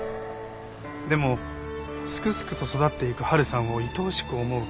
でもすくすくと育っていく波琉さんをいとおしく思う